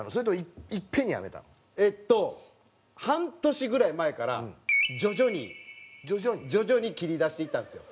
えっと半年ぐらい前から徐々に徐々に切りだしていったんですよ。